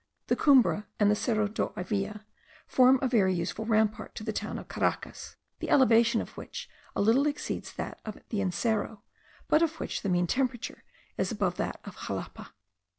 The Cumbre and the Cerro do Avila form a very useful rampart to the town of Caracas, the elevation of which a little exceeds that of the Encero, but of which the mean temperature is above that of Xalapa.